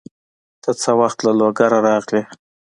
ته څه وخت له لوګره راغلې؟